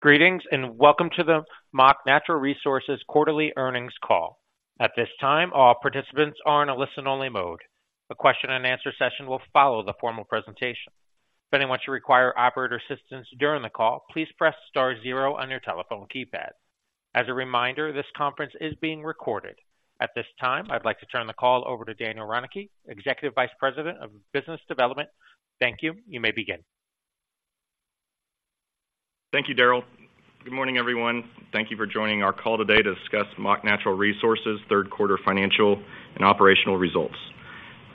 Greetings, and welcome to the Mach Natural Resources quarterly earnings call. At this time, all participants are in a listen-only mode. A question-and-answer session will follow the formal presentation. Depending on what you require operator assistance during the call, please press star zero on your telephone keypad. As a reminder, this conference is being recorded. At this time, I'd like to turn the call over to Daniel T. Reineke, Executive Vice President of Business Development. Thank you. You may begin. Thank you, Daryl. Good morning, everyone. Thank you for joining our call today to discuss Mach Natural Resources' third quarter financial and operational results.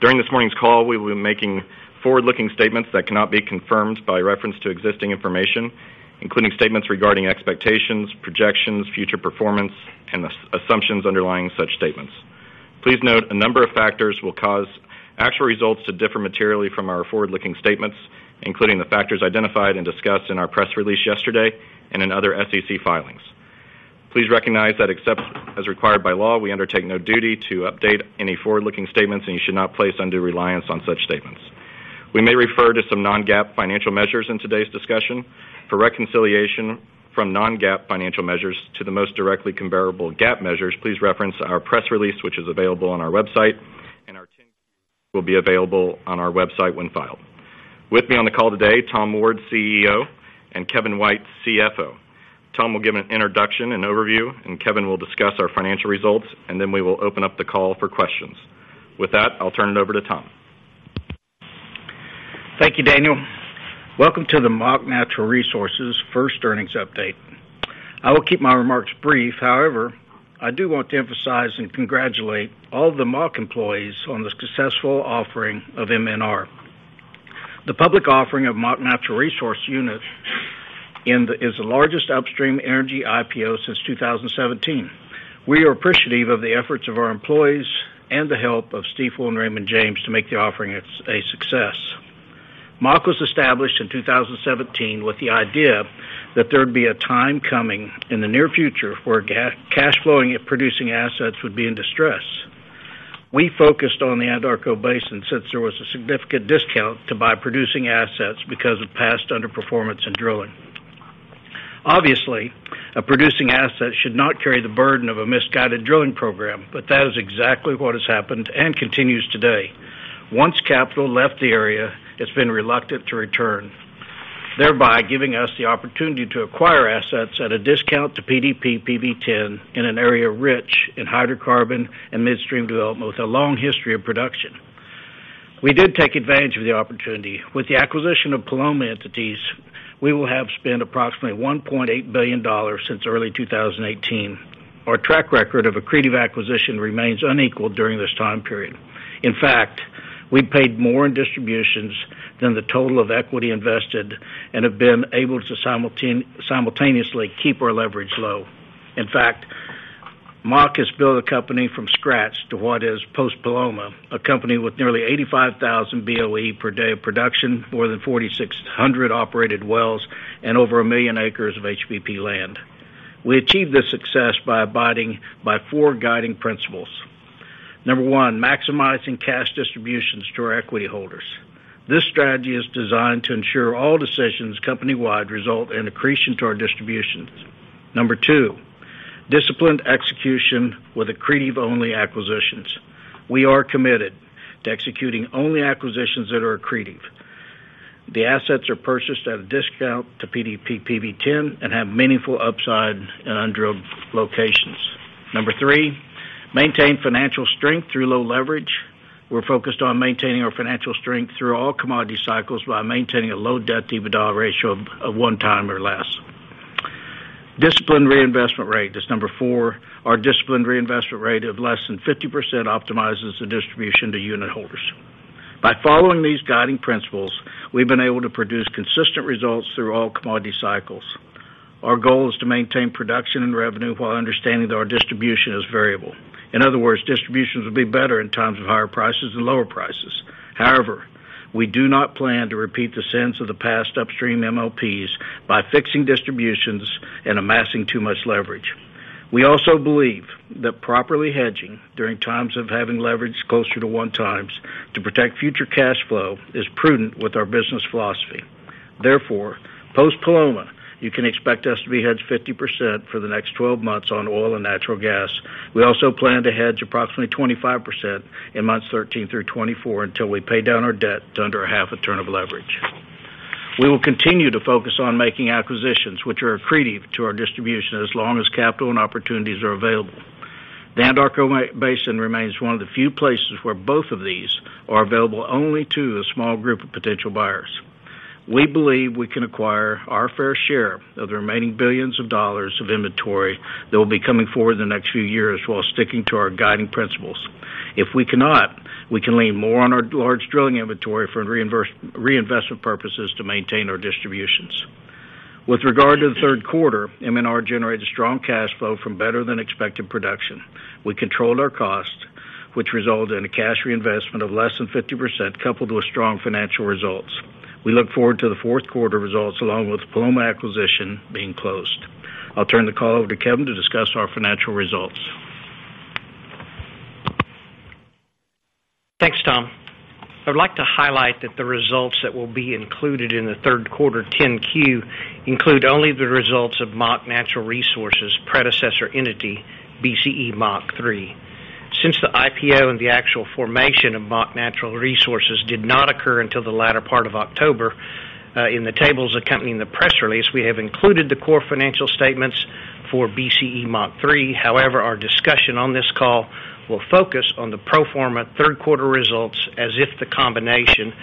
During this morning's call, we will be making forward-looking statements that cannot be confirmed by reference to existing information, including statements regarding expectations, projections, future performance, and the assumptions underlying such statements. Please note, a number of factors will cause actual results to differ materially from our forward-looking statements, including the factors identified and discussed in our press release yesterday and in other SEC filings. Please recognize that except as required by law, we undertake no duty to update any forward-looking statements, and you should not place undue reliance on such statements. We may refer to some non-GAAP financial measures in today's discussion. For reconciliation from non-GAAP financial measures to the most directly comparable GAAP measures, please reference our press release, which is available on our website, and our 10-Q will be available on our website when filed. With me on the call today, Tom Ward, CEO, and Kevin White, CFO. Tom will give an introduction and overview, and Kevin will discuss our financial results, and then we will open up the call for questions. With that, I'll turn it over to Tom. Thank you, Daniel. Welcome to the Mach Natural Resources first earnings update. I will keep my remarks brief. However, I do want to emphasize and congratulate all the Mach employees on the successful offering of MNR. The public offering of Mach Natural Resources units is the largest upstream energy IPO since 2017. We are appreciative of the efforts of our employees and the help of Stifel and Raymond James to make the offering a success. Mach was established in 2017 with the idea that there'd be a time coming in the near future where cash flowing and producing assets would be in distress. We focused on the Anadarko Basin, since there was a significant discount to buy producing assets because of past underperformance and drilling. Obviously, a producing asset should not carry the burden of a misguided drilling program, but that is exactly what has happened and continues today. Once capital left the area, it's been reluctant to return, thereby giving us the opportunity to acquire assets at a discount to PDP PV-10 in an area rich in hydrocarbon and midstream development with a long history of production. We did take advantage of the opportunity. With the acquisition of Paloma entities, we will have spent approximately $1.8 billion since early 2018. Our track record of accretive acquisition remains unequaled during this time period. In fact, we paid more in distributions than the total of equity invested and have been able to simultaneously keep our leverage low. In fact, Mach has built a company from scratch to what is post Paloma, a company with nearly 85,000 BOE per day of production, more than 4,600 operated wells, and over 1 million acres of HBP land. We achieved this success by abiding by four guiding principles. Number one, maximizing cash distributions to our equity holders. This strategy is designed to ensure all decisions company-wide result in accretion to our distributions. Number two, disciplined execution with accretive-only acquisitions. We are committed to executing only acquisitions that are accretive. The assets are purchased at a discount to PDP PV-10 and have meaningful upside in undrilled locations. Number three, maintain financial strength through low leverage. We're focused on maintaining our financial strength through all commodity cycles by maintaining a low debt/EBITDA ratio of 1x or less. Disciplined reinvestment rate, that's number four. Our disciplined reinvestment rate of less than 50% optimizes the distribution to unitholders. By following these guiding principles, we've been able to produce consistent results through all commodity cycles. Our goal is to maintain production and revenue while understanding that our distribution is variable. In other words, distributions will be better in times of higher prices than lower prices. However, we do not plan to repeat the sins of the past upstream MLPs by fixing distributions and amassing too much leverage. We also believe that properly hedging during times of having leverage closer to 1x to protect future cash flow is prudent with our business philosophy. Therefore, post Paloma, you can expect us to be hedged 50% for the next 12 months on oil and natural gas. We also plan to hedge approximately 25% in months 13 through 24 until we pay down our debt to under 0.5 turn of leverage. We will continue to focus on making acquisitions, which are accretive to our distribution, as long as capital and opportunities are available. The Anadarko Basin remains one of the few places where both of these are available only to a small group of potential buyers. We believe we can acquire our fair share of the remaining billions of dollars of inventory that will be coming forward in the next few years while sticking to our guiding principles. If we cannot, we can lean more on our large drilling inventory for reinvestment purposes to maintain our distributions. With regard to the third quarter, MNR generated strong cash flow from better than expected production. We controlled our costs, which resulted in a cash reinvestment of less than 50%, coupled with strong financial results. We look forward to the fourth quarter results, along with the Paloma acquisition being closed. I'll turn the call over to Kevin to discuss our financial results.... Thanks, Tom. I'd like to highlight that the results that will be included in the third quarter 10-Q include only the results of Mach Natural Resources' predecessor entity, BCE-Mach III. Since the IPO and the actual formation of Mach Natural Resources did not occur until the latter part of October, in the tables accompanying the press release, we have included the core financial statements for BCE-Mach III. However, our discussion on this call will focus on the pro forma third quarter results, as if the combination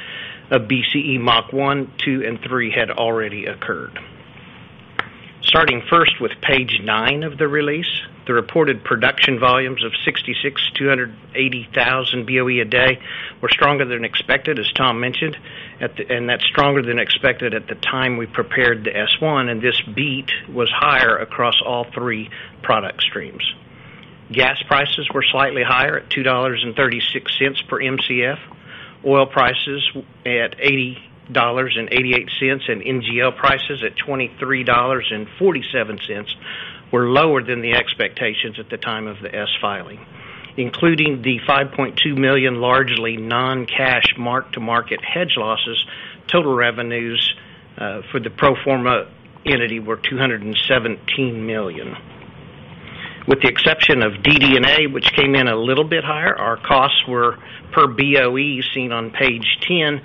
of BCE-Mach I, II, and III had already occurred. Starting first with page nine of the release, the reported production volumes of 66,280 BOE a day were stronger than expected, as Tom mentioned, at the time we prepared the S-1, and that's stronger than expected at the time we prepared the S-1, and this beat was higher across all three product streams. Gas prices were slightly higher at $2.36 per Mcf. Oil prices at $80.88, and NGL prices at $23.47, were lower than the expectations at the time of the S-1 filing. Including the $5.2 million, largely non-cash mark-to-market hedge losses, total revenues for the pro forma entity were $217 million. With the exception of DD&A, which came in a little bit higher, our costs were per BOE, seen on page 10,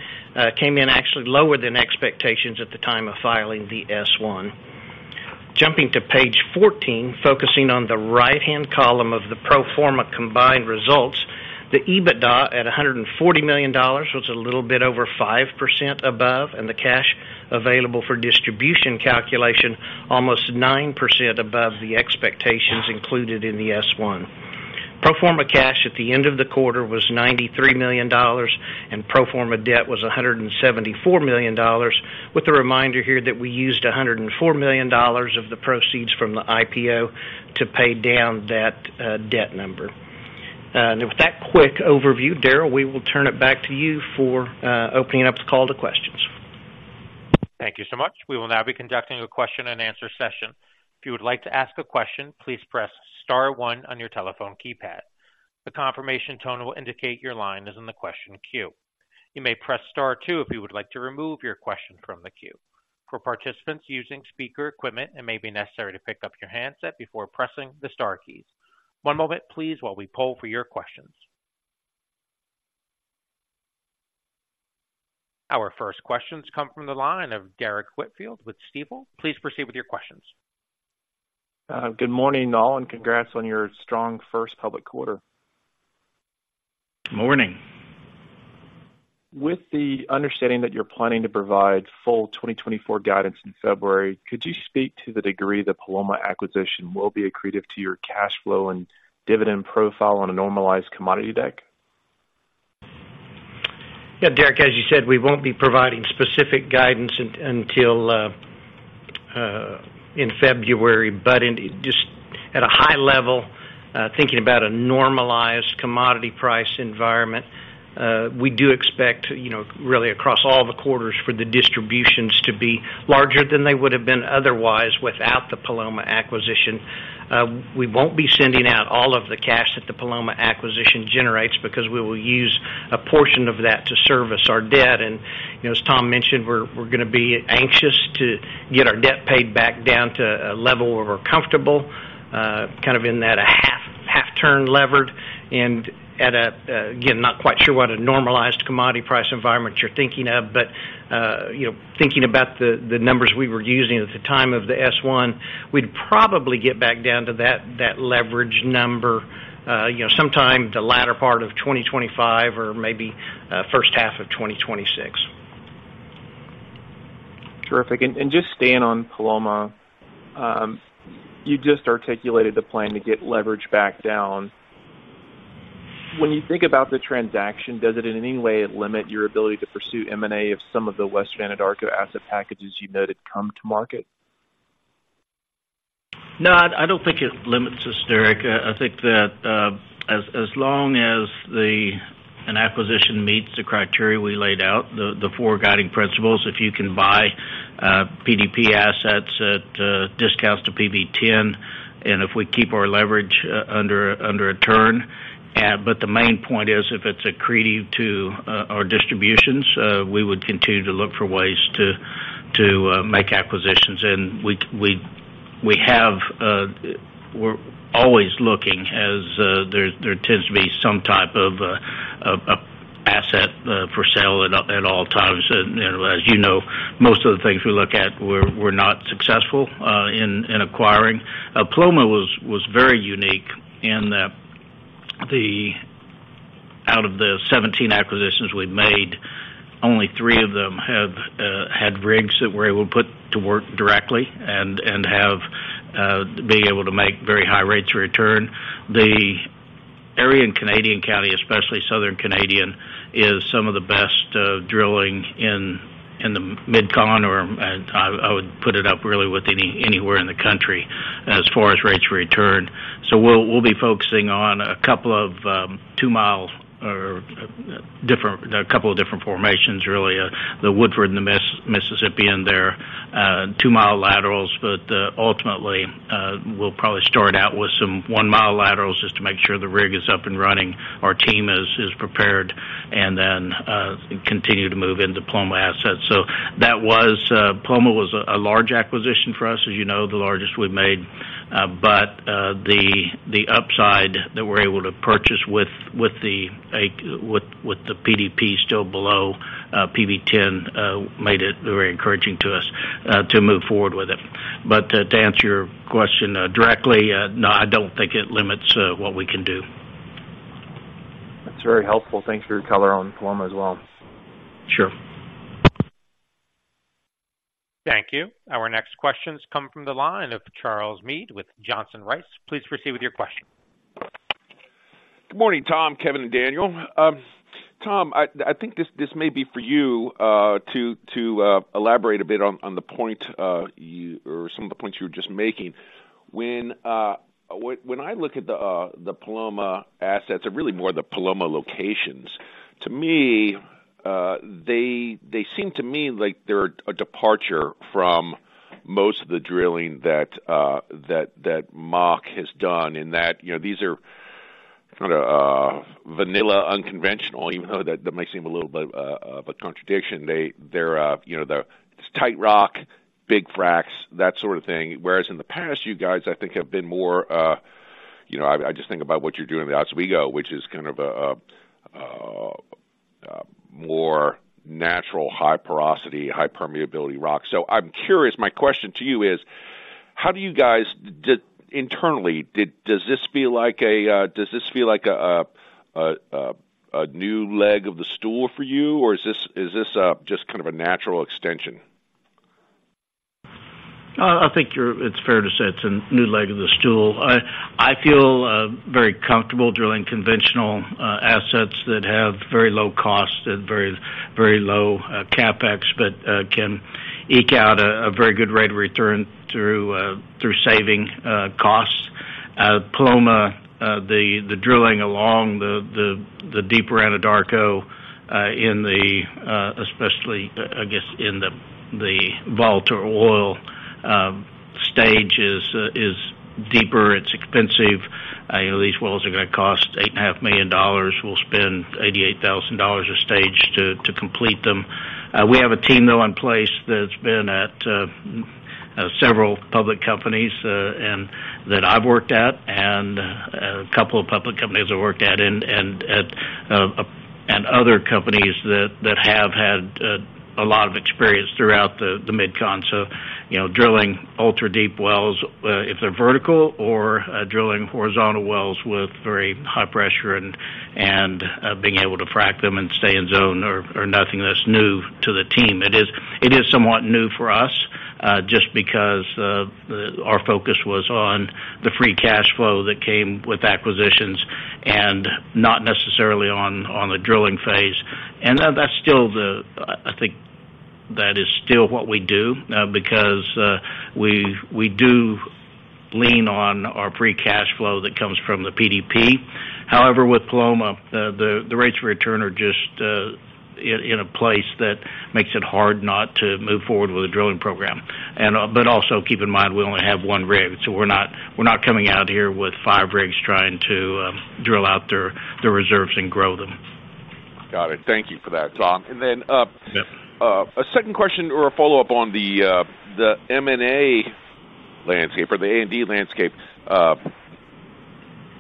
came in actually lower than expectations at the time of filing the S-1. Jumping to page 14, focusing on the right-hand column of the pro forma combined results, the EBITDA at $140 million was a little bit over 5% above, and the cash available for distribution calculation, almost 9% above the expectations included in the S-1. Pro forma cash at the end of the quarter was $93 million, and pro forma debt was $174 million, with a reminder here that we used $104 million of the proceeds from the IPO to pay down that debt number. With that quick overview, Daryl, we will turn it back to you for opening up the call to questions. Thank you so much. We will now be conducting a question-and-answer session. If you would like to ask a question, please press star one on your telephone keypad. The confirmation tone will indicate your line is in the question queue. You may press star two, if you would like to remove your question from the queue. For participants using speaker equipment, it may be necessary to pick up your handset before pressing the star keys. One moment please, while we poll for your questions. Our first questions come from the line of Derrick Whitfield with Stifel. Please proceed with your questions. Good morning, all, and congrats on your strong first public quarter. Morning. With the understanding that you're planning to provide full 2024 guidance in February, could you speak to the degree the Paloma acquisition will be accretive to your cash flow and dividend profile on a normalized commodity deck? Yeah, Derrick, as you said, we won't be providing specific guidance until in February, but in just at a high level, thinking about a normalized commodity price environment, we do expect, you know, really across all the quarters, for the distributions to be larger than they would have been otherwise without the Paloma acquisition. We won't be sending out all of the cash that the Paloma acquisition generates, because we will use a portion of that to service our debt. you know, as Tom mentioned, we're gonna be anxious to get our debt paid back down to a level where we're comfortable, kind of in that 0.5 turn levered, and at a, again, not quite sure what a normalized commodity price environment you're thinking of, but, you know, thinking about the numbers we were using at the time of the S-1, we'd probably get back down to that leverage number, you know, sometime the latter part of 2025 or maybe first half of 2026. Terrific. And, just staying on Paloma, you just articulated the plan to get leverage back down. When you think about the transaction, does it in any way limit your ability to pursue M&A of some of the West Canada Arkoma asset packages you noted come to market? No, I don't think it limits us, Derrick. I think that as long as an acquisition meets the criteria we laid out, the four guiding principles, if you can buy PDP assets at discounts to PV-10, and if we keep our leverage under a turn. But the main point is, if it's accretive to our distributions, we would continue to look for ways to make acquisitions. And we have, we're always looking as there tends to be some type of a asset for sale at all times. And as you know, most of the things we look at we're not successful in acquiring. Paloma was very unique in that out of the 17 acquisitions we've made, only three of them have had rigs that we're able to put to work directly and have been able to make very high rates of return. The area in Canadian County, especially Southern Canadian, is some of the best drilling in the MidCon, or I would put it up really with anywhere in the country as far as rates of return.... So we'll be focusing on a couple of two-mile or different, a couple of different formations, really, the Woodford and the Mississippian in there, two-mile laterals. But ultimately, we'll probably start out with some one-mile laterals just to make sure the rig is up and running, our team is prepared, and then continue to move into Paloma assets. So that was, Paloma was a large acquisition for us, as you know, the largest we've made. But the upside that we're able to purchase with the PDP still below PV-10 made it very encouraging to us to move forward with it. But to answer your question directly, no, I don't think it limits what we can do. That's very helpful. Thanks for your color on Paloma as well. Sure. Thank you. Our next questions come from the line of Charles Meade with Johnson Rice. Please proceed with your question. Good morning, Tom, Kevin, and Daniel. Tom, I think this may be for you to elaborate a bit on the point you or some of the points you were just making. When I look at the Paloma assets, or really more the Paloma locations, to me, they seem to me like they're a departure from most of the drilling that Mach has done, in that, you know, these are kind of vanilla, unconventional, even though that might seem a little bit of a contradiction. They're, you know, the tight rock, big fracs, that sort of thing. Whereas in the past, you guys, I think, have been more, you know, I just think about what you're doing in the Oswego, which is kind of a more natural, high porosity, high permeability rock. So I'm curious, my question to you is: How do you guys internally, does this feel like a new leg of the stool for you, or is this just kind of a natural extension? I think it's fair to say it's a new leg of the stool. I feel very comfortable drilling conventional assets that have very low cost and very, very low CapEx, but can eke out a very good rate of return through saving costs. Paloma, the drilling along the deeper Anadarko, especially, I guess, in the volatile oil stage is deeper, it's expensive. These wells are gonna cost $8.5 million. We'll spend $88,000 a stage to complete them. We have a team, though, in place that's been at several public companies, and that I've worked at, and a couple of public companies I worked at, and other companies that have had a lot of experience throughout the MidCon. So, you know, drilling ultra-deep wells, if they're vertical or drilling horizontal wells with very high pressure, and being able to frack them and stay in zone are nothing that's new to the team. It is somewhat new for us, just because our focus was on the free cash flow that came with acquisitions and not necessarily on the drilling phase. And that's still the... I think that is still what we do, because we do lean on our free cash flow that comes from the PDP. However, with Paloma, the rates of return are just in a place that makes it hard not to move forward with a drilling program. But also, keep in mind, we only have one rig, so we're not coming out here with five rigs trying to drill out the reserves and grow them. Got it. Thank you for that, Tom. And then, Yeah. A second question or a follow-up on the M&A landscape or the A&D landscape.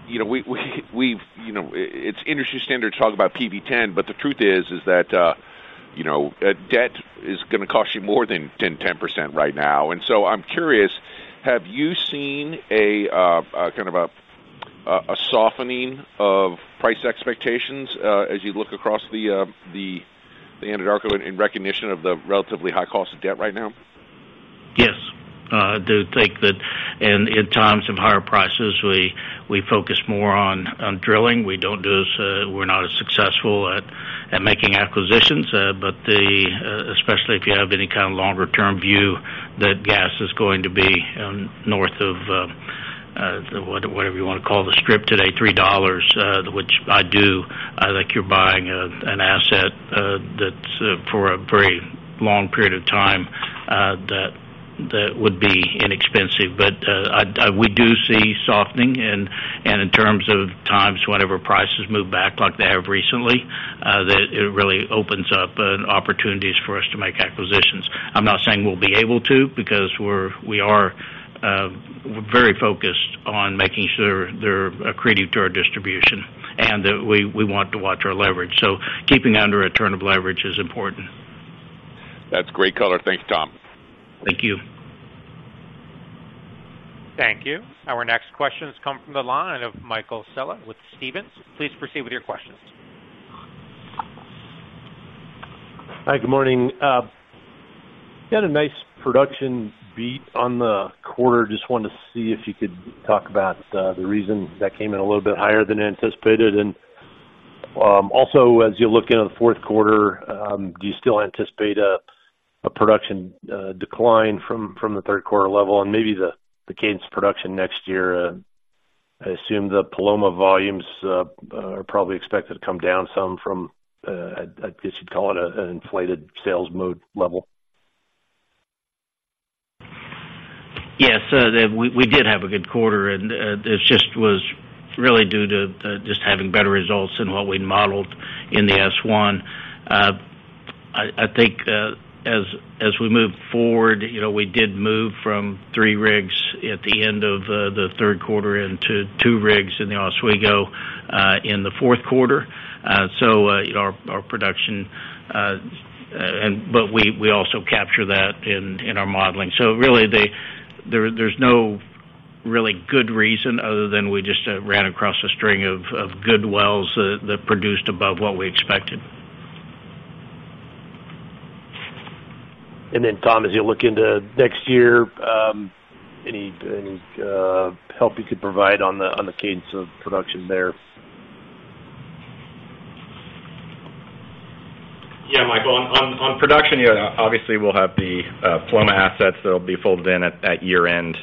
You know, we've, you know, it's industry standard to talk about PV-10, but the truth is that, you know, debt is gonna cost you more than 10% right now. And so I'm curious, have you seen a kind of a softening of price expectations as you look across the Anadarko in recognition of the relatively high cost of debt right now? Yes. I do think that in times of higher prices, we focus more on drilling. We're not as successful at making acquisitions. But especially if you have any kind of longer-term view, that gas is going to be north of whatever you want to call the strip today, $3, which I do. I think you're buying an asset that's for a very long period of time, that would be inexpensive. But we do see softening, and in terms of times, whenever prices move back like they have recently, that it really opens up opportunities for us to make acquisitions. I'm not saying we'll be able to, because we are very focused on making sure they're accretive to our distribution, and that we want to watch our leverage. So keeping under a turn of leverage is important. That's great color. Thanks, Tom. Thank you. Thank you. Our next questions come from the line of Michael Scialla with Stephens. Please proceed with your questions. Hi, good morning. You had a nice production beat on the quarter. Just wanted to see if you could talk about the reason that came in a little bit higher than anticipated, and also, as you look into the fourth quarter, do you still anticipate a production decline from the third quarter level and maybe the cadence production next year? I assume the Paloma volumes are probably expected to come down some from, I guess you'd call it an inflated sales mode level. Yes, we did have a good quarter, and this just was really due to just having better results than what we modeled in the S-1. I think as we move forward, you know, we did move from 3 rigs at the end of the third quarter into 2 rigs in the Oswego in the fourth quarter. So, our production and... But we also capture that in our modeling. So really, there's no really good reason other than we just ran across a string of good wells that produced above what we expected. And then, Tom, as you look into next year, any help you could provide on the cadence of production there? Yeah, Michael, on production, you know, obviously, we'll have the Paloma assets that'll be folded in at year-end.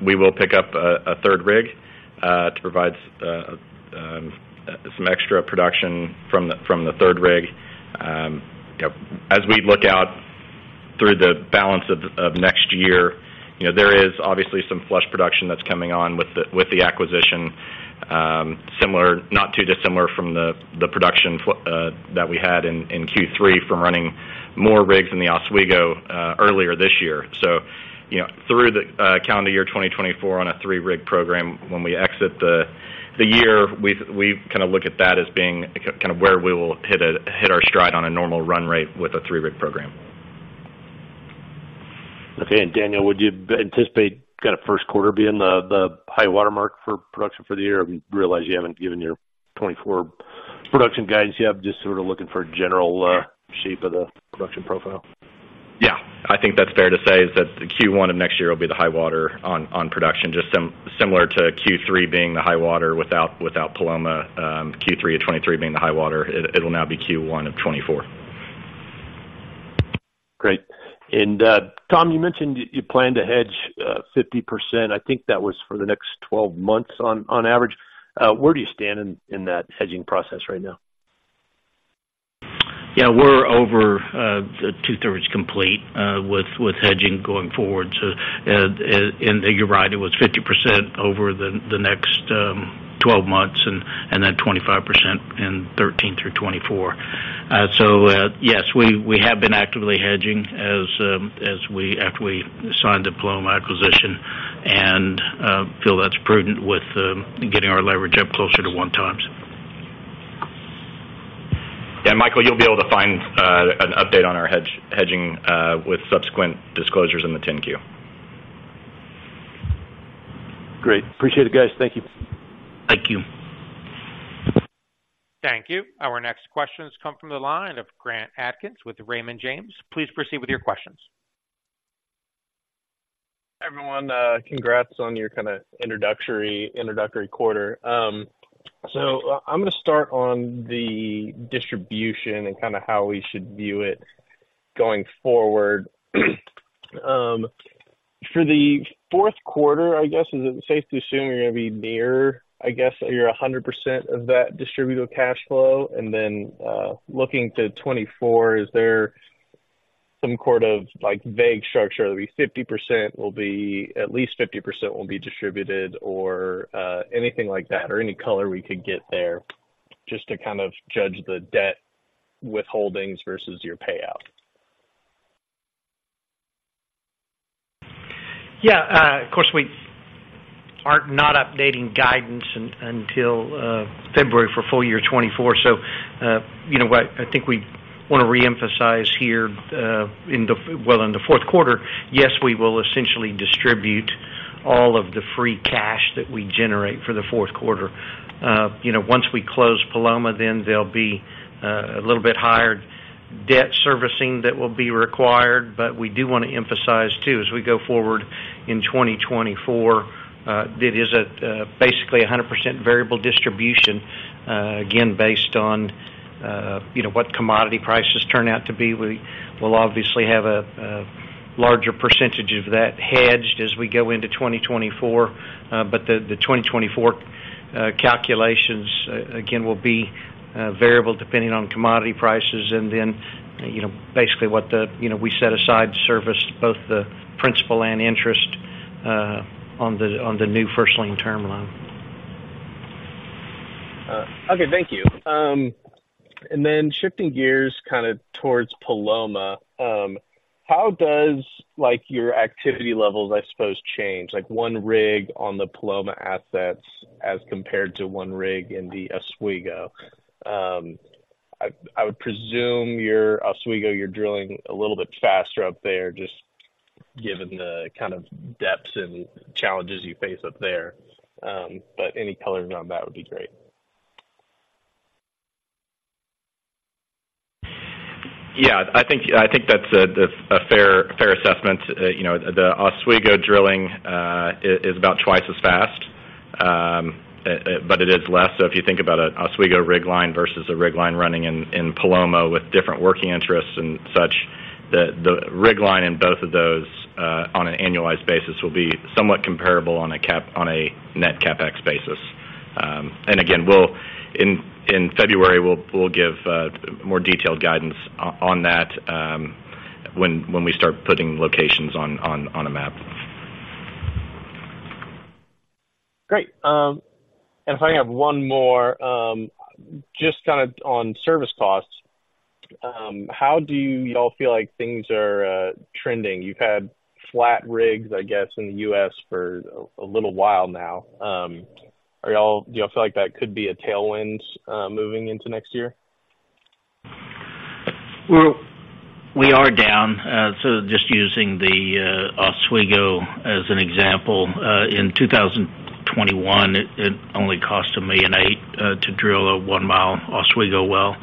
We will pick up a third rig to provide some extra production from the third rig. You know, as we look out through the balance of next year, you know, there is obviously some flush production that's coming on with the acquisition, similar- not too dissimilar from the production that we had in Q3 from running more rigs in the Oswego earlier this year. So, you know, through the calendar year 2024 on a three-rig program, when we exit the year, we've kind of looked at that as being kind of where we will hit our stride on a normal run rate with a three-rig program. Okay. And Daniel, would you anticipate kind of first quarter being the high watermark for production for the year? I realize you haven't given your 2024 production guidance yet. Just sort of looking for a general shape of the production profile. Yeah, I think that's fair to say, is that the Q1 of next year will be the high water on production, just similar to Q3 being the high water without Paloma. Q3 of 2023 being the high water, it'll now be Q1 of 2024. Great. And, Tom, you mentioned you plan to hedge 50%. I think that was for the next 12 months on average. Where do you stand in that hedging process right now? Yeah, we're over two-thirds complete with hedging going forward. So, and you're right, it was 50% over the next 12 months and then 25% in 2013-2024. So, yes, we have been actively hedging as we after we signed the Paloma acquisition, and feel that's prudent with getting our leverage up closer to 1x. Yeah, Michael, you'll be able to find an update on our hedging with subsequent disclosures in the 10-Q. Great. Appreciate it, guys. Thank you. Thank you. Thank you. Our next question has come from the line of Grant Adkins with Raymond James. Please proceed with your questions. Everyone, congrats on your kind of introductory quarter. So I'm gonna start on the distribution and kind of how we should view it going forward. For the fourth quarter, I guess, is it safe to assume you're gonna be near, I guess, your 100% of that distributed cash flow? And then, looking to 2024, is there some sort of, like, vague structure, at least 50% will be distributed or anything like that, or any color we could get there just to kind of judge the debt withholdings versus your payout? Yeah, of course, we are not updating guidance until February for full year 2024. So, you know what? I think we want to reemphasize here in the... Well, in the fourth quarter, yes, we will essentially distribute all of the free cash that we generate for the fourth quarter. You know, once we close Paloma, then there'll be a little bit higher debt servicing that will be required. But we do want to emphasize, too, as we go forward in 2024, it is basically a 100% variable distribution, again, based on, you know, what commodity prices turn out to be. We will obviously have a larger percentage of that hedged as we go into 2024. But the 2024 calculations again will be variable depending on commodity prices, and then, you know, basically what the, you know, we set aside to service both the principal and interest on the new first-lien term loan. Okay, thank you. And then shifting gears kind of towards Paloma, how does, like, your activity levels, I suppose, change? Like, one rig on the Paloma assets as compared to one rig in the Oswego. I would presume your Oswego, you're drilling a little bit faster up there, just given the kind of depths and challenges you face up there. But any color on that would be great. ... Yeah, I think that's a fair assessment. You know, the Oswego drilling is about twice as fast, but it is less. So if you think about an Oswego rig line versus a rig line running in Paloma with different working interests and such, the rig line in both of those, on an annualized basis, will be somewhat comparable on a net CapEx basis. And again, in February, we'll give more detailed guidance on that, when we start putting locations on a map. Great. If I have one more, just kind of on service costs, how do y'all feel like things are trending? You've had flat rigs, I guess, in the U.S. for a little while now. Are y'all, do you all feel like that could be a tailwind moving into next year? Well, we are down. So just using the Oswego as an example, in 2021, it only cost $1.8 million to drill a 1-mile Oswego well.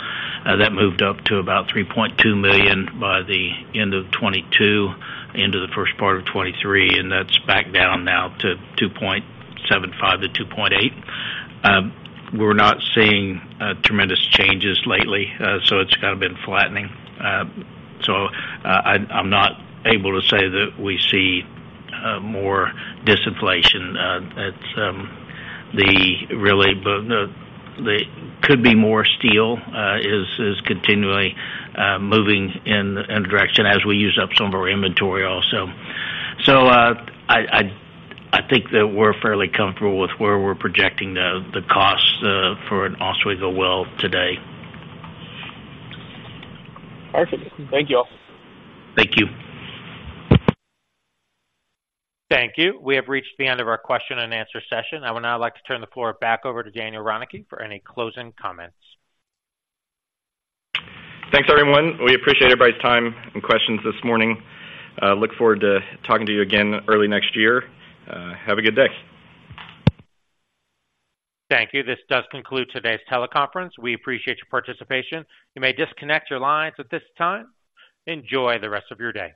That moved up to about $3.2 million by the end of 2022, into the first part of 2023, and that's back down now to $2.75-$2.8 million. We're not seeing tremendous changes lately, so it's kind of been flattening. So, I'm not able to say that we see more disinflation. It's really the could be more steel is continually moving in direction as we use up some of our inventory also. So, I think that we're fairly comfortable with where we're projecting the costs for an Oswego well today. Perfect. Thank you all. Thank you. Thank you. We have reached the end of our question and answer session. I would now like to turn the floor back over to Daniel T. Reineke for any closing comments. Thanks, everyone. We appreciate everybody's time and questions this morning. Look forward to talking to you again early next year. Have a good day. Thank you. This does conclude today's teleconference. We appreciate your participation. You may disconnect your lines at this time. Enjoy the rest of your day.